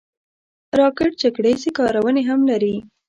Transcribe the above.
راکټ جګړه ییز کارونې هم لري